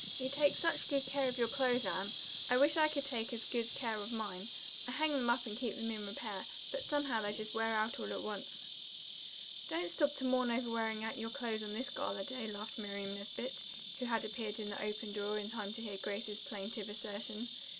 You take such good care of your clothes, Anne. I wish I could take as good care of mine. I hang them up and keep them in repair, but somehow they just wear out all at once." "Don't stop to mourn over wearing out your clothes on this gala day," laughed Miriam Nesbit, who had appeared in the open door in time to hear Grace's plaintive assertion.